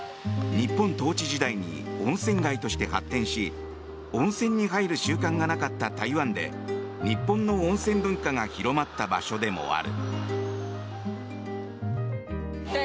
日本統治時代に温泉街として発展し温泉に入る習慣がなかった台湾で日本の温泉文化が広まった場所でもある。